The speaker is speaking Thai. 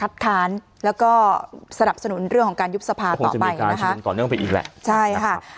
ค้านแล้วก็สนับสนุนเรื่องของการยุบสภาต่อไปนะคะมันต่อเนื่องไปอีกแหละใช่ค่ะ